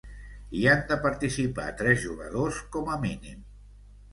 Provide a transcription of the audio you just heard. Hi han de participar tres jugadors com a mínim.